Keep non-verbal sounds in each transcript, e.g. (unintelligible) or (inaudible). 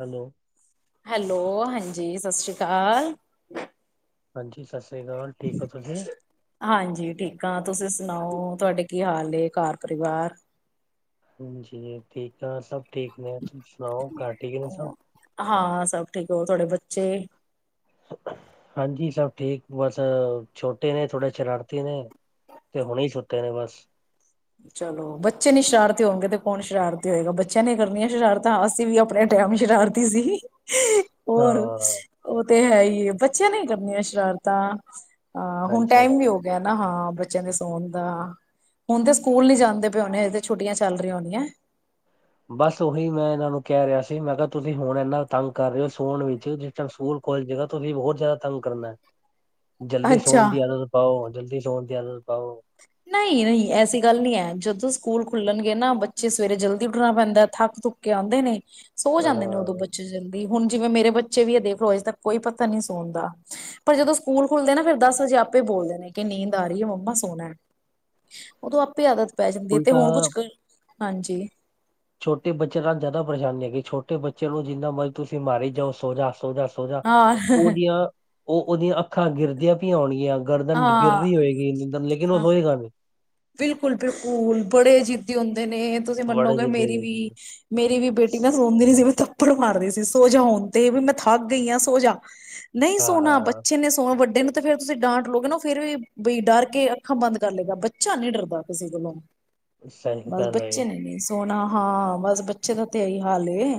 Hello hello ਹਾਂਜੀ ਸਤਿ ਸ੍ਰੀ ਅਕਾਲ ਹਾਂਜੀ ਸਤਿ੍ਰ ਹਾਂਜੀ ਠੀਕ ਆ ਤੁਸੀਂ ਸੁਣਾਓ ਤੁਹਾਡੇ ਕੀ ਹਾਲ ਘਰ ਪਰਿਵਾਰ ਜੀ ਠੀਕ ਆ ਸਭ ਠੀਕ ਨੇ ਤੁਸੀਂ ਸੁਣਾਓ ਘਰ ਠੀਕ ਨੇ ਸਭ ਛੇ ਹਾਂਜੀ ਸਭ ਠੀਕ ਬਸ ਛੋਟੇ ਨੇ ਥੋੜੇ ਸ਼ਰਾਰਤੀ ਨੇ ਤੇ ਹੁਣੇ ਸੁਤੇ ਨੇ ਬਸ ਚਲੋ ਬੱਚੇ ਨੀ ਸ਼ਰਾਰਤੀ ਹੋਣਗੇ ਤੇ ਕੌਣ ਸ਼ਰਾਰਤੀ ਹੋਏਗਾ ਬੱਚਿਆਂ ਨੇ ਕਰਨੀਆਂ ਸ਼ਰਾਰਤਾਂ ਅਸੀਂ ਵੀ ਆਪਣੇ ਟਾਈਮ ਸ਼ਰਾਰਤੀ ਸੀ ਹਾਂ ਹੋਰ ਉਹ ਤੇ ਹੈ ਹੀ ਬੱਚਿਆਂ ਨੇ ਕਰਨੀਆਂ ਸ਼ਰਾਰਤਾਂ ਹਾਂ ਹੁਣ ਹਾਂਜੀ ਟਾਈਮ ਹਾਂਜੀ ਵੀ ਹੋ ਗਿਆ ਨਾ ਹਾਂ ਬੱਚਿਆਂ ਦੇ ਸੌਣ ਦਾ ਹੁਣ ਤਾਂ ਸਕੂਲ ਨੀ ਜਾਂਦੇ ਪਏ ਹੋਣੇ ਇਹ ਤੇ ਛੁੱਟੀਆਂ ਚੱਲ ਰਹੀਆਂ ਹੋਣੀਆਂ ਬਸ ਉਹੀ ਮੈਂ ਇਹਨਾਂ ਨੂੰ ਕਹਿ ਰਿਹਾ ਸੀ ਮੈਂ ਕਿਹਾ ਤੁਸੀਂ ਹੁਣ ਇਨਾ ਤੰਗ ਕਰ ਰਹੇ ਹੋ ਸੋਣ ਵਿੱਚ ਜਿਸ ਟਾਈਮ ਸਕੂਲ ਖੋਲ ਜਾਗਾ ਤੁਸੀਂ ਬਹੁਤ ਜ਼ਿਆਦਾ ਤੰਗ ਕਰਨਾ ਜਲਦੀ ਸੌਣ ਅੱਛਾ ਦੀ ਆਦਤ ਪਾਓ ਜਲਦੀ ਸੌਣ ਜਲ ਪਾਊ ਨਹੀਂ ਨਹੀਂ ਐਸੀ ਗੱਲ ਨਹੀਂੀ ਹੈ ਜਦੋਂ ਸਕੂਲ ਖੁੱਲਣਗੇ ਨਾ ਬੱਚੇ ਸਵੇਰੇ ਜਲਦੀ ਉੱਠਣਾ ਪੈਂਦਾ ਥੱਕ ਥੁੱਕ ਕੇ ਆਉਂਦੇ ਨੇ ਸੋ ਜਾਂਦੇ ਨੇ ਉਦੋਂ ਹਾਂ ਬੱਚੇ ਜਲਦੀ ਹੁਣ ਜਿਵੇਂ ਮੇਰੇ ਬੱਚੇ ਵੀ ਆ ਦੇਖ ਲੋ ਅਜੇ ਤੱਕ ਕੋਈ ਪਤਾ ਨੀ ਸੁਣਦਾ ਪਰ ਜਦੋਂ ਸਕੂਲ ਖੁੱਲਦੇ ਨਾ ਫਿਰ ਦਸ ਹਜੇ ਆਪੇ ਬੋਲਦੇ ਨੇ ਕਿ ਨੀਂਦ ਆ ਰਹੀ ਹੈ ਮੰਮਾ ਸੋਣਾ ਉਦੋਂ ਆਪੇ ਆਦਤ ਪੈ ਜਾਂਦੀ ਹੈ ਤੇ ਹੁਣ ਉਲਟਾ ਕੁੱਛ ਹਾਂਜੀ ਛੋਟੇ ਬੱਚੇ ਨਾਲ ਜ਼ਿਆਦਾ ਪਰੇਸ਼ਾਨੀ ਹੈ ਕਿ ਛੋਟੇ ਬੱਚੇ ਨੂੰ ਜਿੰਨਾ ਮਰਜ਼ ਤੁਸੀਂ ਮਾਰੀ ਜਾਓ ਸੋਜਾ ਸੋਜਾ ਸੋਜਾ ਹਾਂ ਉਹਦੀਆਂ ਉਹ ਉਹਦੀਆਂ ਅੱਖਾਂ ਗਿਰਦੀਆਂ ਪ ਹੋਣਗੀਆਂ ਗਰਦਨ ਗਿਰ ਹਾਂ ਰਹੀ ਹੋਏਗੀ ਲੇਕਿਨ ਉਹ ਹਾਂ ਰੋਏਗਾ ਨਹੀਂ ਬਿਲਕੁਲ ਬਿਲਕੁਲ ਬੱੜੇ ਜਿੱਦੀ ਹੁੰਦੇ ਜੇ ਤੁਸੀਂ ਬੜੇ ਮੰਨੋਗੇ ਜਿੱਦੇ ਮੇਰੀ ਵੀ ਮੇਰੀ ਵੀ ਬੇਟੀ ਨਾ ਸੋਣਦੀ ਨਹੀਂ ਸੀ ਮੈਂ ਉੱਪਰ ਮਾਰਦੇ ਸੀ ਸੋਜਾ ਹੋਣ ਤੇ ਵੀ ਮੈਂ ਥਕ ਗਈ ਹਾਂ ਸੋਜਾ ਨਹੀਂ ਹਾਂ ਸੋਣਾ ਹਾਂ ਬੱਚੇ ਨੇ ਸੋਣਾ ਵੱਡੇ ਨੂੰ ਤੇ ਫਿਰ ਤੁਸੀਂ ਡਾਂਟ ਲਉਗੇ ਨਾ ਫਿਰ ਵੀ ਬਈ ਡਰ ਕੇ ਅੱਖਾਂ ਬੰਦ ਕਰ ਲਏਗਾ ਅ ਨੀ ਡਰਦਾ ਕਿਸੇ ਕੋਲੋਂ ਸਹੀ ਬਸ ਗੱਲ ਹੈ ਬੱਚੇ ਨੇ ਨੀ ਸੋਹਨਾ। ਹਾਂ ਬਸ ਬੱਚੇ ਦਾ ਤੇ ਇਹੀ ਹਾਲ ਏ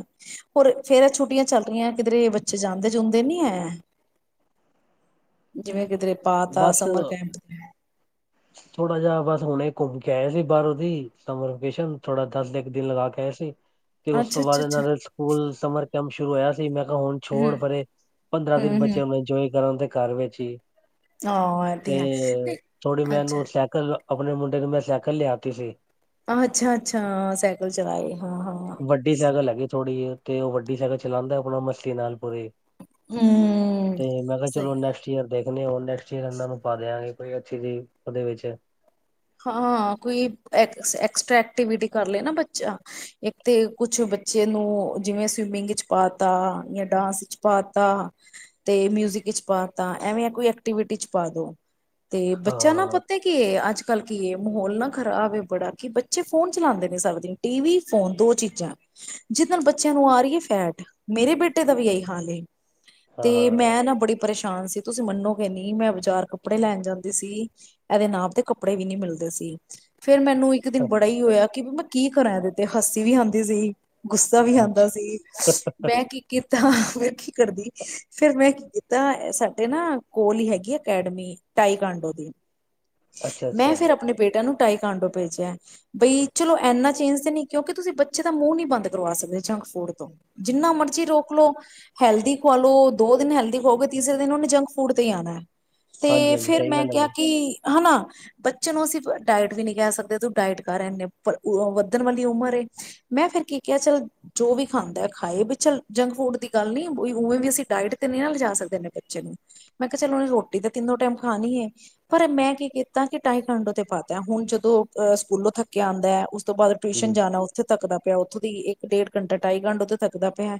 ਫਿਰ ਛੁੱਟੀਆਂ ਚੱਲ ਰਹੀਆਂ ਕਿਧਰੇ ਬੱਚੇ ਜਾਂਦੇ-ਜੁਂਦੇ ਨੀ ਹੈ ਜਿਵੇਂ ਕਿੱਧਰੇ ਬਸ ਥੋੜਾ ਜਿਹਾ ਬ ਹੁਣੇ ਘੁੰਮ ਕੇ ਆਏ ਸੀ ਬਾਹਰੋਂ ਦੀ ਸਮਰ ਵਕੇਸ਼ਨ ਥੋੜਾ ਦਸ ਇੱਕ ਦਿਨ ਲਗਾ ਕੇ ਆਏ ਸੀ। ਤੇ ਉਸ ਅੱਛਾ ਤੋਂ ਬਾਅਦ ਅੱਛਾ ਇਹ ਅੱਛਾ ਨਾਲੇ ਸਕੂੱਲ ਸਮਰ ਕੰਮ ਸ਼ੁਰੂ ਹੋਇਆ ਮੈਂ ਕਿਹਾ ਹੁਣ ਛੋੜ ਪਰੇ ਪੰਦਰਾਂ ਦਿਨ ਹਮ ਹਮ ਬਚਿਆਂ ਇੰਜੋਏ ਕਰਨ ਦੇ। ਘਰ ਵਿੱਚ ਹੀ। ਹਾਂ ਇਹ ਤੇ ਹੈ ਨਹੀਂ, ਥੋੜ੍ਹੀ ਮੈਂ ਇਨੂੰ ਅੱਛਾ ਸੈਕਲ ਆਪਣੇ ਮੁੰਡੇ ਨੂੰ ਮੈਂ ਸਾਈਕਲ ਲਿਆ ਤੀ ਸੀ। ਆ ਅੱਛਾ-ਅੱਛਾ ਸਾਈਕਲ ਚਲਾਏ। ਹਾਂ ਹਾਂ ਵੱਡੀ ਸਾਈਕਲ ਹੈਗੀ। ਥੋੜੀ ਤੇ ਉਹ ਵੱਡੀ ਸਾਈਕਲ ਚਲਾਉਂਦਾ ਆਪਣਾ ਮਸਤੀ ਨਾਲ ਪੂਰੀ। ਹੂੰ ਤੇ ਮੈਂ ਕਿਹਾ ਚਲੋ ਸਹੀ ਨੈਕਸਟ ਈਅਰ ਦੇਖਨੇ ਆ ਹੁਨ ਨੇ ਫੇਰ ਇਹਨਾਂ ਨੂੰ ਪਾ ਦਿਆਂਗੇ। ਕੋਈ ਅੱਛੀ ਜੀ ਉਹਦੇ ਵਿੱਚ। ਹਾਂ ਕੋਈ ਐਕਸ ਐਕਸਟਰਾ ਐਕਟੀਵਿਟੀ ਕਰ ਲੇ ਨਾ ਬੱਚਾ ਇੱਕ ਤੇ ਕੁਛ ਬੱਚੇ ਨੂੰ ਜਿਵੇਂ ਸਵਿਮਿੰਗ ਇਚ ਪਾਤਾ, ਯਾ ਡਾਂਸ ਇਚ ਪਾਤਾ, ਤੇ ਮਿਊਜਿਕ ਇਚ ਪਾਤਾ ਐਵੇਂ ਕੋਈ ਐਕਟੀਵਿਟੀ ਚ ਪਾਦੋ। ਤੇ ਹਾਂ ਬੱਚਾ ਨਾ ਪੱਤਾ ਕੀ ਅਜ ਕੀ ਐ ਮਾਹੌਲ ਨਾ ਖਰਾਬ ਬੜਾ ਕਿ ਬੱਚੇ ਫੋਨ ਚਲਾਦੇ ਨੇ ਸਾਰ ਦਿਨ ਟੀ ਵੀ, ਫੋਨ ਦੋ ਚੀਜ਼ਾਂ, ਜਿਹਦੇ ਨਾਲ ਬੱਚਿਆਂ ਨੂੰ ਆ ਰਹੀ ਹੈ ਫੈਟ ਮੇਰੇ ਬੇਟੇ ਦਾ ਵੀ ਇਹੀ ਹਾਲ ਐ। ਤੇ ਹਾਂ ਮੈਂ ਨਾ ਬੜੀ ਪਰੇਸ਼ਾ ਸ਼ਾਨ ਸੀ ਤੁਸੀਂ ਮੰਨੋਗੇ ਨੀ ਮੈਂ ਬਾਜ਼ਾਰ ਕੱਪੜੇ ਲੈਣ ਜਾਂਦੀ ਸੀ ਇਹਦੇ ਨਾਪ ਤੇ ਕੱਪੜੇ ਵੀ ਨੀ ਮਿਲਦੇ ਸੀ। ਫੇਰ ਮੈਨੂੰ ਇੱਕ ਦਿਨ ਹਾਂ ਬੜਾ ਹੀ ਹੋਇਆ ਮੈਂ ਕੀ ਕਰਾਂ ਇਹਦੇ ਤੇ ਹੱਸੀ ਵੀ ਆਂਦੀ ਸੀ। ਗੁੱਸਾ ਵੀ ਆਉਂਦਾ ਅੱਛਾ ਸੀ ਮੈਂ ਕੀ ਕੀ ਤਾ ਫੇਰ ਕੀ ਕਰਦੀ ਫੇਰ ਮੈਂ ਕੀ ਕੀਤਾ ਸਾਡੇ ਨਾ ਕੋਲ ਹੀ ਹੈਗੀ ਅਕੈਡਮੀ ਟਾਈਕਾਂਡੋ ਦੀ। ਅੱਛਾ ਮੈਂ ਅੱਛਾ ਫੇਰ ਆਪਣੇ ਬੇਟਾ ਨੂੰ ਤਾਈਕਾਂਡੋ ਭੇਜਿਆ ਬਈ ਚਲੋ ਇੰਨਾ ਚੇਂਜ ਤੇ ਨਹੀਂ ਕਿਉਂਕਿ ਤੁਸੀਂ ਬੱਚੇ ਦਾ ਮੂੰਹ ਨੀ ਬੰਦ ਕਰਵਾ ਸਕਦੇ ਜੰਕ ਫੂਡ ਤੋਂ, ਜਿੰਨਾ ਮਰਜ਼ੀ ਰੋਕ ਲੋ ਹੈਲਦੀ ਖਵਾ ਲੋ ਦੋ ਦਿਨ ਹੈਲਦੀ ਖਵਾਓਗੇ ਤੀਸਰੇ ਦਿਨ ਉਹਨੇ ਜੰਕ ਫੂਡ ਤੇ ਹੀ ਆਨਾ। ਹਾਂਜੀ ਤੇ ਹਾਂਜੀ ਫਿਰ ਸਹੀ ਮੈਂ ਗੱਲ ਕਿਹਾ ਹੈਗੀ ਕਿ ਹਨਾ ਬੱਚੇ ਨੂੰ ਅਸੀਂ ਡਾਇਟ ਵੀ ਨੀ ਕਹਿ ਸਕਦੇ ਤੂੰ ਡਾਇਟ ਕਰ ਇੰਨੇ ਵੱਧਣ ਵਾਲੀ ਉਮਰ ਏ ਮੈਂ ਫੇਰ ਕੀ ਕਿਹਾ ਚੱਲ ਜੋ ਵੀ ਖਾਂਦਾ ਖਾਏ ਵੀ ਚੱਲ ਜੰਕ ਫੂਡ ਦੀ ਗੱਲ ਨੀ ਉਵੇਂ ਵੀ ਅਸੀਂ ਡਾਇਟ ਤੇ ਨਹੀਂ ਨਾ ਲਿਜਾ ਸਕਦੇ ਇਨੇ ਬੱਚੇ ਨੂੰ ਮੈਂ ਕਿਹਾ ਚੱਲ ਉਹਨੇ ਰੋਟੀ ਤਾਂ ਤਿੰਨੋ ਟਾਈਮ ਖਾਣੀ ਹੈ ਪਰ ਮੈਂ ਕੀ ਕੀਤਾ ਕਿ ਟਾਈਕਾਂਡੋ ਤੇ ਪਾਤਾ ਹੈ ਹੁਣ ਜਦੋਂ ਅਹ ਸਕੂਲੋਂ ਥੱਕਿਆ ਆਂਦਾ ਹੈ ਉਸ ਤੋਂ ਬਾਅਦ ਟਿਊਸ਼ਨ ਜੀ ਜਾਣਾ ਉੱਥੇ ਤੱਕਦਾ ਪਿਆ ਉੱਥੋਂ ਦੀ ਇੱਕ ਡੇਢ ਘੰਟਾ ਢਾਈ ਘੰਟਾ ਉੱਥੋਂ ਥੱਕਦਾ ਪਿਆ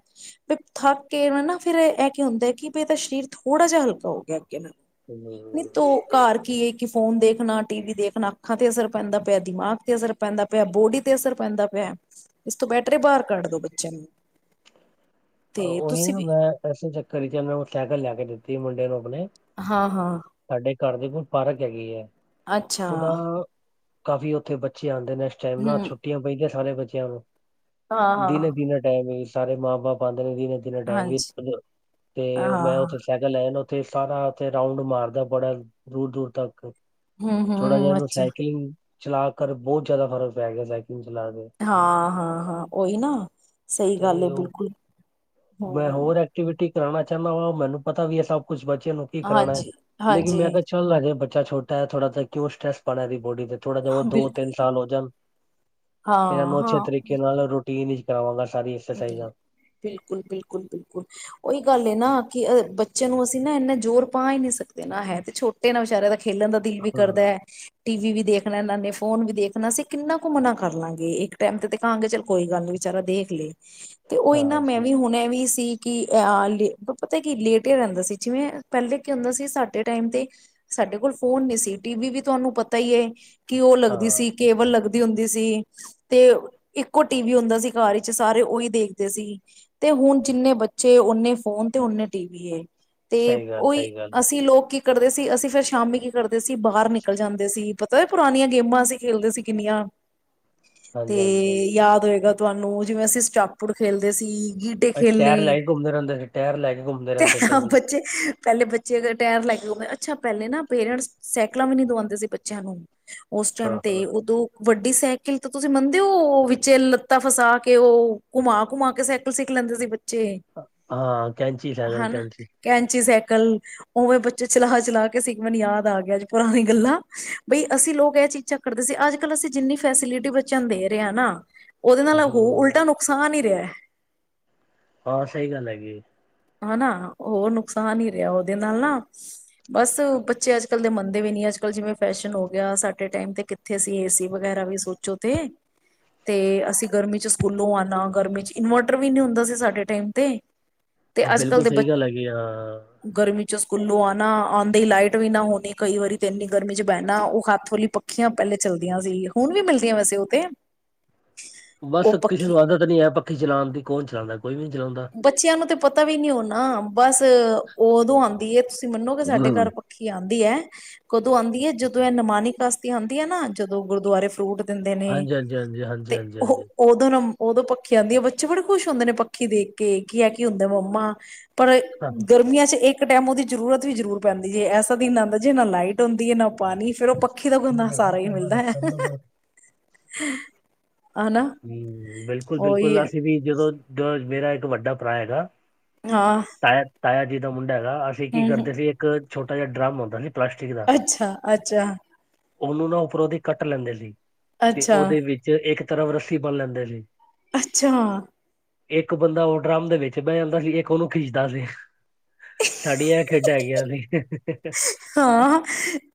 ਵੀ ਥੱਕ ਕੇ ਨਾ ਫੇਰ ਇਹ ਕੀ ਹੁੰਦਾ ਹੈ ਕਿ ਵੀ ਇਹਦਾ ਸਰੀਰ ਥੋੜਾ ਜਿਹਾ ਹਲਕਾ ਹੋ ਗਿਆ। ਨਹੀਂ ਤੂੰ ਹਮ, ਘਰ ਕੀ ਏ ਫੋਨ ਦੇਖਣਾ ਟੀ ਵੀ ਦੇਖਣਾ ਅੱਖਾਂ ਤੇ ਅਸਰ ਪੈਂਦਾ ਪਿਆ ਦਿਮਾਗ ਤੇ ਅਸਰ ਪੈਂਦਾ ਪਿਆ ਬੋਡੀ ਤੇ ਅਸਰ ਪੈਂਦਾ ਪਿਆ ਇਸ ਤੋਂ ਬੈਟਰੇ ਬਾਹਰ ਕੱਢ ਦੋ ਬੱਚਿਆਂ ਨੂੰ ਤੇ ਉਹੀ ਤੁਸੀਂ ਨਾ ਵੀ ਮੈਂ ਇਸਸੇ ਚੱਕਰ ਚ ਉਹ ਸਾਈਕਲ ਲੈ ਕੇ ਦਿੱਤੀ ਮੁੰਡੇ ਨੂੰ ਹਾਂ-ਹਾਂ, ਸਾਡੇ ਘਰ ਦੇ ਕੋਲ ਪਾਰਕ ਹੈਗੀ ਹੈ ਅੱਛਾ ਉਹਦਾ ਕਾਫੀ ਉੱਥੇ ਬੱਚੇਿਆਂ ਹਨ ਨੈਕਸ ਟਾਈਮ ਨਾਲ ਹੂੰ। ਛੱੀਆਂ ਪਈਆਂ ਛਾਲੇ ਬਚਿਆ ਦਿਨੇ ਹਾਂ-ਹਾਂ। ਦਿਨੇ ਟਾਈਮ ਸਾਰੇ ਮਾਂ ਬਾਪ ਦਿਨ ਦਿਨੇ ਟਾਈਮ ਵੀ ਹਾਂਜੀ, ਤੇ ਮੈਂ ਹਾਂ-ਹਾਂ, ਉੱਥੇ ਸਾਈਕਲ ਲੈ ਤੇ ਸਾਰਾ ਉੱਥੇ ਰਾਊਂਡ ਮਾਰਦਾ ਬੜਾ ਦੂਰ ਦੂਰ ਤੱਕ ਥੋੜਾ ਜਿਹਾ ਹੂੰ-ਹੂੰ, ਨੂੰ ਅੱਛਾ। ਸਾਇਕਲਿੰਗ ਚਲਾ ਕਰ ਬਹੁਤ ਜ਼ਿਆਦਾ ਫਰਕ ਪੈ ਗਿਆ ਸੀ ਹਾਂ ਹਾਂ ਹਾਂ ਉਓਹੀ ਨਾ ਸਹੀ ਤੇ ਗੱਲ ਹੈ ਉਹ ਬਿਲਕੁਲ ਹੂੰ। ਹੋਰ ਐਕਟੀਵਿਟੀ ਕਰਾਉਣਾ ਚਾਹੁੰਦਾ ਵਾ ਮੈਨੂੰ ਪਤਾ ਵੀ ਇਹ ਸਭ ਕੁਛ ਬੱਚਿਆਂ ਨੂੰ ਕੀ ਕਰਾਉਣਾ ਹੈ ਲੇਕਿਨ ਹਾਂਜੀ-ਹਾਂਜੀ, ਮੈਂ ਕਿਹਾ ਚੱਲ ਲੱਗ ਗਿਆ ਛੋਟਾ ਥੋੜਾਿ ਕਿਉ ਸਟਟਰੈਸ ਬਣਾ ਦੀ ਬੋਡੀ ਤੇ ਥੋੜਾ ਜਿਹਾ ਦੋ ਬਿਲਕੁਲ ਤਿੰਨ ਸਾਲ ਹੋ ਜਾ ਇਹਨੂੰ ਅੱਛੇ ਹਾਂ-ਹਾਂ। ਤਰੀਕੇ ਨਾਲ ਰਟੀ ਟੀਨ ਕਰਾਵਾਂਗਾ ਸਾਰੀ ਬਿਲਕੁਲ ਐਕਸਰਸਾਈਜ਼ਾਂ ਬਿਲਕੁਲ ਬਿਲਕੁਲ ਬਿਲਕੁਲ ਉਹੀ ਗੱਲ ਹੈ ਨਾ ਕਿ ਬੱਚਿਆਂ ਨੂੰ ਅਸੀਂ ਨਾ ਇੰਨਾ ਜ਼ੋਰ ਪਾ ਹੀ ਨਹੀਂ ਸਕਦੇ ਨਾ ਹੈ ਤੇ ਛੋਟੇ ਨਾ ਵਿਚਾਰੇ ਦਾ ਖੇਲਣ ਦਾ ਦਿਲ ਵੀ ਕਰਦਾ ਹਾਂ, ਹੈ ਟੀ ਵੀ ਵੀ ਦੇਖਣਾ ਇਹਨਾਂ ਨੇ ਫੋਨ ਵੀ ਦੇਖਣਾ ਅਸੀਂ ਕਿੰਨਾ ਘੁੰਮਣਾ ਕਰ ਲਾਂਗੇ ਇੱਕ ਟਾਈਮ ਤੇ ਦਿਖਾਂਗੇ ਚੱਲ ਕੋਈ ਗੱਲ ਨੀ ਵਿਚਾਰਾ ਦੇਖ ਲਏ ਤੇ ਉਹ ਇਹਨਾ ਹਾਂ ਮੈਂ ਜੀ ਵੀ ਹੁਣੇ ਵੀ ਸੀ ਕਿ ਅ ਪਤਾ ਕੀ ਲੇਟ ਹੀ ਰਹਿੰਦਾ ਸੀ ਜਿਵੇਂ ਪਹਿਲੇ ਕੀ ਹੁੰਦਾ ਸੀ ਸਾਡੇ ਟਾਈਮ ਤੇ ਸਾਡੇ ਕੋਲ ਫੋਨ ਨੀ ਸੀ ਟੀ ਵੀ ਵੀ ਤੁਹਾਨੂੰ ਪਤਾ ਹੀ ਹੈ ਕਿ ਉਹ ਲੱਗਦੀ ਹਾਂ ਸੀ ਕੇਵਲ ਲੱਗਦਾ ਹੁੰਦੀ ਸੀ ਤੇ ਇੱਕੋ ਟੀ ਵੀ ਹੁੰਦਾ ਸੀ ਕਾਰ ਵਿੱਚ ਸਾਰੇ ਉਹੀ ਦੇਖਦੇ ਸੀ ਤੇ ਹੁਣ ਜਿੰਨੇ ਬੱਚੇ ਓਨੇ ਫੋਨ ਤੇ ਓਨੇ ਟੀ ਵੀ ਏ ਤੇ ਸਹੀ ਗੱਲ, ਉਹੀ ਸਹੀ ਗੱਲ। ਅਸੀਂ ਲੋਕ ਕੀ ਕਰਦੇ ਸੀ ਅਸੀਂ ਫਿਰ ਸ਼ਾਮੀ ਕੀ ਕਰਦੇ ਸੀ ਬਾਹਰ ਨਿਕਲ ਜਾਂਦੇ ਸੀ ਪਤਾ ਪੁਰਾਣੀਆਂ ਗੇਮਾਂ ਅਸੀਂ ਖੇਲਦੇ ਸੀ ਕਿੰਨੀਆਂ। ਤੇ ਹਾਂਜੀ ਹਾਂਜੀ ਹਾਂਜੀ ਯਾਦ ਹੋਏਗਾ। ਤੁਹਾਨੂੰ ਜਿਵੇਂ ਅਸੀਂ ਸਾਪੁੜ ਖੇਲਦੇ ਸੀ। ਗਟੇ ਅਸੀਂ ਖੇਲਣੇ ਟਾਇਰ ਲੈ ਕੇ ਘੁੰਮਦੇ ਰਹਿੰਦੇ ਸੀ ਟਾਇਰ ਲੈ ਕੇ ਘੁੰਮਦੇ ਤੇ ਰਹਿੰਦੇ ਸੀ ਹਾਂ ਅਸੀਂ ਬੱਚੇ ਪਹਿਲੇ ਬੱਚੇ ਅਗਰ ਟਾਇਰ ਲੈਕੇ ਅੱਛਾ ਪਹਿਲੇ ਨਾ ਪੇਰੈਂਟਸ ਸਾਈਕਲਾਂ ਵੀ ਨੀ ਦਵਾਉਂਦੇ ਸੀ ਬੱਚਿਆਂ ਨੂੰ ਉੱਸ ਹਾਂ ਟਾਈਮ ਤੇ ਉਦੋਂ ਵੱਡੇ- ਸਾਇਕਲ ਤੇ ਤੁਸੀਂ ਮੰਨਦੇ ਹੋ ਵਿੱਚ ਲੱਤਾਂ ਫਸਾ ਕੇ- ਕਿ ਉਹ ਘੁਮਾ-ਘੁਮਾ ਕੇ ਸਾਇਕਲ ਸਿੱਖ ਲੈਂਦੇ ਸੀ! ਹਾਂ ਹਾਂ ਕੈਂਚੀ ਹ ਸਾਈਕਲ ਨਾ ਕੈਂਚੀ ਕੈਂਚੀ ਸਾਇਕਲ। ਉਵੇਂ ਬੱਚੇ ਚਲਾ ਚਲਾ ਕੇ ਸੀ ਮੈਨੂੰ ਯਾਦ ਆ ਗਿਆ ਪੁਰਾਣੀ ਗੱਲਾਂ ਬਈ ਅਸੀਂ ਲੋਕ ਇਹ ਚੀਜ਼ਾਂ ਕਰਦੇ ਸੀ ਅੱਜ ਕੱਲ ਅਸੀਂ ਜਿੰਨੀ ਫੈਸਿਲਿੱਟੀ ਬੱਚਿਆਂ ਨੂੰ ਦੇ ਰਹੇ ਹਾਂ ਨਾ ਉਹੱਦੇ ਨਾਲ ਉਹ ਹੂੰ ਉਲਟਾ ਨੁਕਸਾਨ ਹੀ ਰਿਹਾ ਹੈ। ਹਾਂ ਸਹੀ ਗੱਲ ਹੈਗੀ। ਹਨਾ ਹੋਰ ਨੁਕਸਾਨ ਹੀ ਰਿਹਾ ਉਹਦੇ ਨਾਲ ਨਾ ਬੱਸ ਬੱਚੇ ਅੱਜ ਕੱਲ ਦੇ ਮੰਨਦੇ ਵੀ ਨੀ ਅੱਜ ਕੱਲ ਜਿਵੇਂ ਫੈਸ਼ਨ ਹੋ ਗਿਆ ਸਾਡੇ ਟਾਈਮ ਤੇ ਕਿੱਥੇ ਸੀ ਏਸੀ ਵਗੈਰਾ ਵੀ ਸੋਚੋ ਤੇ ਤੇ ਅਸੀਂ ਗਰਮੀ ਚ ਸਕੂਲੋਂ ਆਣਾ ਗਰਮੀ ਚ ਇਨਵਰਟਰ ਵੀ ਨੀ ਹੁੰਦਾ ਸੀ ਸਾਡੇ ਟਾਈਮ ਤੇ ਤੇ ਹ ਅੱਜ ਕੱਲ੍ਹ ਬਿਲਕੁਲ ਦੇ ਬੱਚੇ ਸਹੀ ਗੱਲ ਹੇਗੀ ਅ ਗਰਮੀ ਸਕੂਲੋਂ ਆਣਾ ਆਦੇ ਲਾਈਟ ਵੀ ਨਾ ਹੋਣੀ ਕਈ ਵਾਰੀ ਤੇ ਇੰਨੀ ਗਰਮੀ ਚ ਬਹਿਣਾ ਉਹ ਹੱਥ ਹਲੀ ਪੱਖੀਆਂ ਪਹਿਲੇ ਚਲਦੀਆਂ ਸੀ ਹੁਣ ਵੀ ਮਿਲਦੀਆਂ ਵੈਸੇ ਉਹਤੇ ਬਸ ਕਿਸੇ ਨੂੰ ਆਦਤ ਨੀ ਹੈ ਪੱਖੀ ਚਲਾਣ ਦੀ ਕੋੌਨ ਚਲਾਣਦਾ? ਬੱਚਿਆਂ ਨੂੰ ਤੇ ਪਤਾ ਵੀ ਨੀ ਹੋਣਾ ਬੱਸ ਉਦੋਂ ਆਦੀ ਏ ਤੁਸੀ ਮੰਨੋਗੇ ਸਾਡੇ ਹਮ, ਘਰ ਪੱਖੀ ਆਂ ਆਦੀ ਹੈ ਕਦੋਂ ਆਉਦੀ ਹੈ ਜਦੋਂ ਇਹ ਨਮਾਨੀ ਕਸਤੀ ਆਉਂਦੀ ਨਾ ਜਦੋਂ ਗੁਰਦੁਆਰੇ ਫਰੂਟ- ਦਿੰਦੇ ਨੇ ਹਾਂਜੀ ਹਾਂਜੀ ਹਾਂਜੀ ਹਾਂਜੀ ਤੇ ਹਾਂਜੀ ਉਹ ਹਾਂਜੀ ਉਦੋਂ ਨੂੰ ਉਦੋਂ ਪੱਖੀ ਆਦੀ ਹੈ ਬੱਚੇ ਬੜੇ ਖੁਸ਼ ਹੁੰਦੇ ਨੇ ਪੱਖੀ ਦੇਖ ਕੇ ਕੇ ਕੀ ਹੈ ਕਿ ਹੁੰਦੇ ਮੰਮਾ? ਪਰ ਹੂੰ ਗਰਮੀਆਂ ਚ ਇੱਕ ਕਿਸੇ ਟਾਈਮ ਉਹਦੀ ਜ਼ਰੂਰਤ ਵੀ ਜ਼ਰੂਰ ਪੈਂਦੀ ਜੇ ਐਸਾ ਦਿਨ ਆਦਾ ਜੇ ਨਾ ਲਾਈਟ ਹੁੰਦੀ ਹੈ ਨਾ- ਪਾਣੀ ਫਿਰ ਉਹ ਪੱਖੀ ਦਾ ਗੰਦਾ ਸਹਾਰਾ ਹੀ ਮਿਲਦਾ । ਹਮ ਬਿਲੱਕੁਲ ਬਿਲੱਕੁਲ ਅਸੀਂ ਵੀ ਜਦੋਂ। ਮੇਰਾ ਇੱਕ ਵੱਡਾ ਭਰਾ ਹੈਗਾ। ਹਾਂ ਤਾਇਆ-ਤਾਇਆ ਤਾਂ (unintelligible) ਹੈਗਾ ਅਸੀਂ ਕੀ ਹਮ ਕਰਦੇ ਸੀ ਇੱਕ ਛੋਟਾ ਜਿਹਾ ਡਰਮੁੰ ਹੁੰਦਾ ਸੀ। ਪਲਾਸਟਿਕ ਦਾ ਅੱਛਾ ਅੱਛਾ। ਉਹਨੂੰ ਨਾ ਉਪਰੋਂ ਦੀ ਕੱਟ ਲੈਂਦੇ ਸੀ। ਤੇ ਅੱਛਾ ਉਹਦੇ ਵਿੱਚ ਇੱਕ ਇਕ ਤਰੱਫ ਰੱਸੀ ਬਨ ਲੈਂਦੇ ਸੀ। ਅੱਛਾ। ਏਕ ਬੰਦਾ ਔ ਡਰਮ ਦੇ ਵਿੱਚ ਬੈ ਜਾਂਦਾ ਸੀ ਇੱਕ ਔਨੂੰ ਖਿੱਚਦਾ ਸੀ। ਸਾਡੀਆਂ ਐ ਖੇਡਾਂ ਹੈਗੀਆਂ ਸੀ। (unintelligible) ਹਾਂ,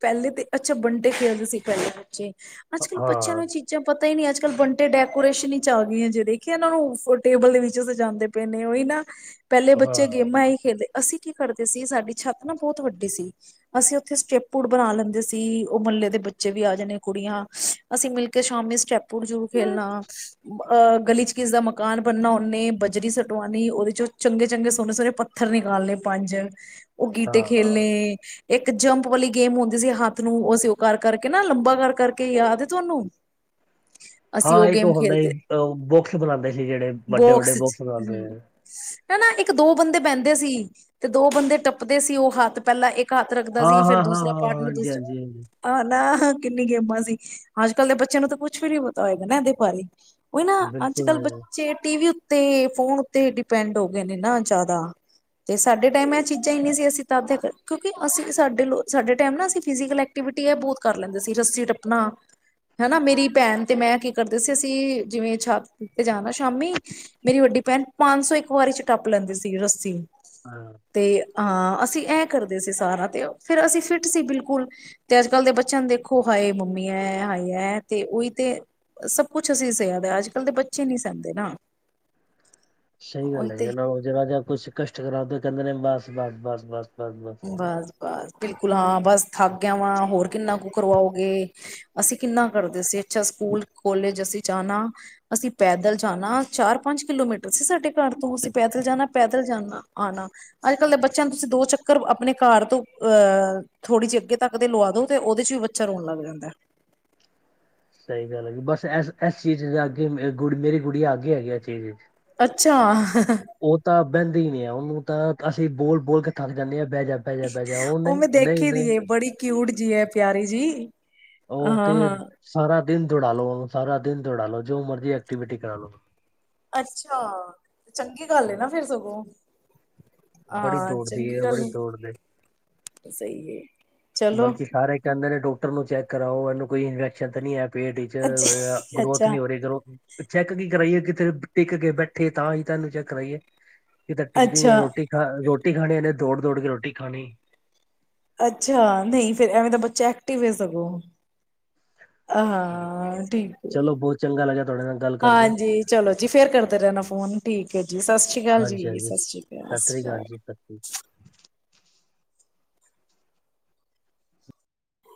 ਪੈਲੇ ਤੇ ਅੱਛਾ ਬੰਟੇ ਖੇਲਦੇ ਸੀ ਪੈਲੇ ਬੱਚੇ। ਅੱਜ-ਕੱਲ ਬੱਚਿਆਂ ਨੂੰ ਹਾਂ ਐ ਚੀਜ਼ਾਂ ਪਤਾ ਈ ਨੀ, ਅੱਜ-ਕੱਲ ਬੰਟੇ ਡੈਕੋਰੇਸ਼ਨ ਈ ਚ ਆ ਗਈਆਂ ਜੇ ਦੇਖਿਆ ਨਾ ਔ ਫੋਰ ਟੇਬਲ ਦੇ ਵਿੱਚ ਸਜਾਂਦੇ ਪੇ ਨੇ ਔਈ ਨਾ। ਪੈਲੇ ਹਾਂ ਬੱਚੇ ਗੇਮਾਂ ਐਈ ਖੇਲਦੇ ਅਸੀਂ ਕੀ ਕਰਦੇ ਸੀ ਸਾਡੀ ਛੱਤ ਨਾ ਬੌਤ ਵੱਡੀ ਸੀ। ਅਸੀਂ ਔਥੇ ਸਟੈਪੁਡ ਬਣਾ ਲੈਂਦੇ ਸੀ, ਔ ਮੱਲੇ ਦੇ ਬੱਚੇ ਵੀ ਆ ਜਾਣੇ ਕੁੜੀਆਂ। ਅਸੀਂ ਮਿਲਕੇ ਸ਼ਾਮੀ ਸਟੈਪ ਪੁੜ ਜੁਰੂ ਖੇਲਣਾ। ਅ ਗਲੀ ਚ ਕਿਸ ਦਾ ਮਕਾਨ ਬਣਨਾ, ਔਣੇ ਬਜਰੀ ਸਟਵਾਣੀ ਔਦੇ ਚੋਂ ਚੰਗੇ ਚੰਗੇ ਸੋਣੇ ਸੋਣੇ ਪੱਥਰ ਨਿਕਾਲਣੇ ਪੰਜ। ਔ ਗੀਤੇ ਹਾਂ ਖੇਲਣੇ। ਇੱਕ ਜੰਪ ਵਾਲੀ ਗੇਮ ਹੋੰਦੀ ਸੀ, ਹੱਥ ਨੂੰ ਅਸੀਂ ਔ ਕਰ ਕਰਕੇ ਨਾ ਲੰਬਾ ਕਰ ਕਰ ਕੇ ਯਾਦ ਏ ਤੁਵੈਨੂੰ। ਹਾਂ, ਇੱਕ ਔ ਹੁੰਦਾ ਹੀ ਅ ਬੋੱਕਸ ਬਣਾਂਦੇ ਸੀ ਜੇੜੇ ਵੱਡੇ ਵੱਡੇ ਬੋੱਕਸ ਬਣਾਂਦੇ ਸੀ ਜੇਰੇ। ਐਨਾ ਇੱਕ ਦੋ ਬੰਦੇ ਬੈੰਦੇ ਸੀ, ਤੇ ਦੋ ਬੰਦੇ ਟੱਪਦੇ ਸੀ, ਔ ਹੱਥ ਪੈਲਾਂ ਏਕ ਘੱਤ ਰੱਖਦਾ ਹਾਂ ਸੀ, ਫੇਰ ਹਾਂ ਹਾਂ ਦੂਸਰਾ ਹਾਂ ਹਾਂ ਪਾਰਟਨਰ ਹਾਂਜੀ ਦੂਸਰਾ, ਹਾਂਜੀ ਹਾਂਜੀ ਆ ਨਾ। ਤਾਂ ਕਿੰਨੀ ਗੇਮਾਂ ਸੀ, ਅੱਜ-ਕੱਲ ਦੇ ਬੱਚਿਆਂ ਨੂੰ ਤਾਂ ਕੁੱਛ ਵੀ ਨੀ ਪਤਾ ਹੋਏਗਾ ਨਾ ਐਦੇ ਬਾਰੇ। ਓਹ ਨਾ ਬਿਲਕੁਲ ਅੱਜ-ਕੱਲ੍ਹ ਬੱਚੇ ਟੀ ਵੀ ਉੱਤੇ ਤੇ ਫੋਨ ਉੱਤੇ ਡਿਪੈਂਡ ਹੋਗੇ ਨੇ ਨਾ ਜੈਦਾ। ਤੇ ਸਾਡੇ ਟਾਈਮ ਐ ਚੀਜ਼ਾਂ ਈ ਨੀ ਸੀ ਅਸੀਂ ਤਦ ਦੇ ਕਰ ਕਿਉਂਕਿ ਅਸੀਂ ਸਾਡੇ ਲੋ ਸਾਡੇ ਟੈਮ ਨਾ ਅਸੀਂ ਫਿਜੀਕਲ ਐਕਟੀਵਿਟੀ ਐ ਬੌਤ ਕਰ ਲੈਂਦੇ ਸੀ ਰੱਸੀ ਟੱਪਣਾ ਹੈਨਾ। ਮੇਰੀ ਭੈਣ ਤੇ ਮੈਂ ਕੀ ਕਰਦੇ ਸੀ ਅਸੀਂ ਜਿਵੇਂ ਛੱਤ ਤੇ ਜਾਣਾ ਸ਼ਾਮੀ ਮੇਰੀ ਵੱਡੀ ਭੈਣ ਪੰਜ ਸੌ ਇੱਕ ਵਾਰੀ ਚ ਟੱਪ ਲੈਂਦੀ ਸੀ ਰੱਸੀ। ਹਾਂ। ਤੇ ਹਾਂ, ਅਸੀਂ ਐ ਕਰਦੇ ਸੀ ਸਾਰਾ ਤੇ ਔ, ਫਿਰ ਅਸੀਂ ਫਿਟ ਸੀ ਬਿਲਕੁਲ ਤੇ ਅੱਜ-ਕੱਲ ਦੇ ਬੱਚਿਆਂ ਨੂੰ ਦੇਖੋ ਹਾਏ ਮੰਮੀ ਐ ਹਾਏ ਐ ਤੇ ਔਈ ਤੇ ਸਭ ਕੁਛ ਅਸੀਂ ਸਿਆ ਦੈ, ਅੱਜ-ਕੱਲ ਦੇ ਬੱਚੇ ਨੀ ਸੈੰਦੇ ਨਾ। ਸਹੀ ਉਹੀ ਗੱਲ ਐ, ਜੇ ਤੇ ਐਨਾ ਕੋ ਜਰਾ ਜਾ ਕੁਛ ਕਸ਼ਟ ਕਰਾਦੋ ਕੈੰਦੇ ਨੇ ਬੱਸ ਬੱਸ ਬੱਸ ਬੱਸ। ਬੱਸ ਬੱਸ। ਬਾਸ, ਬਿਲਕੁਲ ਹਾਂ ਬੱਸ ਥੱਕ ਗਿਆ ਵਾਂ, ਹੋਰ ਕਿੰਨਾ ਕੁ ਕਰਵਾਓਗੇ। ਅਸੀਂ ਕਿੰਨਾ ਕਰਦੇ ਸੀ ਅੱਛਾ ਸਕੂਲ ਕੋਲਜ ਅਸੀਂ ਜਾਣਾ, ਅਸੀਂ ਪੈਦਲ ਜਾਣਾ। ਚਾਰ ਪੰਜ ਕਿਲੋਮੀਟਰ ਸੀ ਸਾਡ ਤੇ ਘਰ ਤੋਂ ਅਸੀਂ ਪੈਦਲ ਜਾਣਾ। ਪੈਦਲ ਜਾਣਾ ਆਣਾ। ਅੱਜ-ਕੱਲ੍ਹ ਦੇ ਬੱਚਿਆਂ ਨੂੰ ਤੁਸੀਂ ਦੋ ਚੱਕ ਸਿਰਫ ਅਪਣੇ ਘਰ ਤੋਂ ਅਹ ਥੋੜ੍ਹੀ ਜੀ ਅੱਗੇ ਤੱਕ ਦੇ ਲੁਆ ਦੋ ਤੇ ਓਦੇ ਚ ਵੀ ਬੱਚਾ ਰੋਣ ਲੱਗ ਜਾਂਦੈ। ਸਹੀ ਗੱਲ ਹੈਗੀ। ਬਸ, ਐਸ ਐਸ ਚੀਜ਼ ਚ ਆਗੇ ਮੇਂ ਗੁਡ ਮੇਰੀ ਗੁੜੀਆਂ ਆਗੇ ਹੈਗੀ ਏ ਐ ਚੀਜ਼ ਚ। ਚਾਅ ਹ। ਔ ਤਾਂ ਬੈੰਦੀ ਈ ਨੀ ਆ, ਔਨੂੰ ਤਾਂ ਅਸੀਂ ਬੋਲ ਬੋਲ ਕੇ ਥਕ ਜਾਂਣੇ ਆਂ। ਉਹ ਮੈਂ ਦੇਖੀ ਦੀ ਏ ਬੜੀ ਕਿਊਟ ਜੀ ਹੈ ਪਿਆਰੀ ਜੀ। ਉਹ ਹਾਂ ਤੇ ਹਾਂ ਸਾਰਾ ਦਿਨ ਦੋੜਾ ਲੋ, ਸਾਰਾ ਦਿਨ ਦੋੜਾਂ ਲੋ, ਜੋ ਮਰਜ਼ੀ ਐਕਟੀਵਿਟੀ ਕਰਾ ਲੋ। ਅੱਛਾ, ਚੰਗੀ ਗੱਲ ਨਾ ਫੇਰ ਸਗੋਂ। ਬੜੀ ਹਾਂ ਦੋੜਦੀ ਏ, ਚੰਗੀ ਬੜੀ ਦੌੜਦੇ। ਤਾਂਹੀ (unintelligible) ਬਲਕਿ ਸਾਰੇ ਕਹਿੰਦੇ ਨੇ ਟੋ ਨੂੰ ਚੈੱਕ ਕਰਾਓ। ਇਹਨੂੰ ਕੋਈ ਇਨਫੈਕਸ਼ਨ ਤਾਂ ਨਹੀਂ ਹੈ। ਪੇਟ ਚ ਅੱਛ ਗਰੋਥ ਅੱਛਾ ਨੀ ਹੋ ਰਹੀ ਗਰੋਥ, ਚੈੱਕ ਕੀ ਕਰਾਈਏ? ਕਿਤੇ ਟਿੱਕ ਕੇ ਬੈਠੇ, ਤਾਂ ਹੀ ਇਹਨੂੰ ਚੈੱਕ ਕਰਾਈਏ। ਕਿ ਤਾਂ ਟਿਕਦੀ ਨ ਹੈ ਅੱਛਾ ਰੋਟੀ ਖਾ ਰੋਟ ਰੋਟੀ ਖਾਣੀ ਇਹਨੇ ਦੌੜ ਦੌੜ ਕੇ ਰੋਟੀ ਖਾਣੀ। ਅੱਛਾ ਨਹੀਂ ਫੇਰ ਐਵੇਂ ਤਾਂ ਬੱਚਾ ਐਕਟਿਵ ਹੈ ਸਗੋਂ। ਅਹਾਂ ਹਾਂ ਠੀਕ ਹੈ ਜੀ, ਚਲੋ ਬਹੁਤ ਚੰਗਾ ਲੱਗਿਆ ਤੁਹਾਡੇ ਨਾਲ ਗੱਲ ਕਰਕੇ ਹਾਂਜੀ ਚਲੋ ਜੀ ਫੇਰ ਕਰਦੇ ਰਹਨਾ ਫੋਨ, ਠੀਕ ਹੈ ਜੀ, ਸਸਿ ਸ਼੍ਰੀ ਕਾਲ ਹਾਂਜੀ, ਜੀ, ਹਾਂਜੀ। ਸਸਿ ਸ਼੍ਰੀ ਕਾਲ ਸਤਿ ਸਸਿ ਸ੍ਰੀ ਸ਼੍ਰੀ ਅਕਾਲ ਜੀ, ਸਤਿ ਸ਼੍ਰੀ ਕਾਲ।